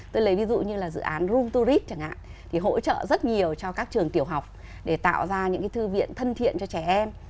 tôi lấy ví dụ như là dự án room tourist chẳng hạn thì hỗ trợ rất nhiều cho các trường tiểu học để tạo ra những cái thư viện thân thiện cho trẻ em